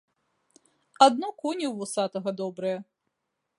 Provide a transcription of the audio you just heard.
Адно коні ў вусатага добрыя.